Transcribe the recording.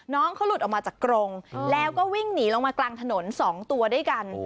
น้องเขาหลุดออกมาจากกรงแล้วก็วิ่งหนีลงมากลางถนน๒ตัวด้วยกัน